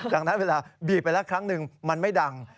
ดังนั้นเวลาบีบไปแล้วครั้งหนึ่งมันไม่ดัง